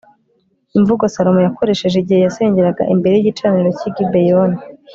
imvugo salomo yakoresheje igihe yasengeraga imbere y'igicaniro cy'i gebeyoni